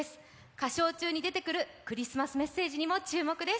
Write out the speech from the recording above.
歌唱中に出てくるクリスマスメッセージにも注目です。